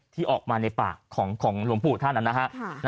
ที่ออกมาในปากของหลวงปู่ท่านนะฮะ